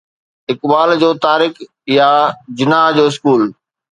اقبال جو طارق يا جناح جو اسڪول